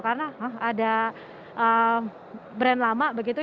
karena ada brand lama begitu